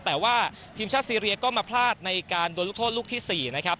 แต่ว่าทีมชาติซีเรียก็มาพลาดในการโดนลูกโทษลูกที่๔นะครับ